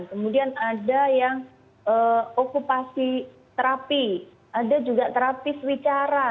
kemudian ada yang okupasi terapi ada juga terapis wicara